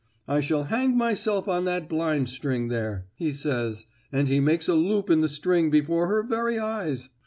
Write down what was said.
I shall hang myself on that blind string there,' he says, and he makes a loop in the string before her very eyes.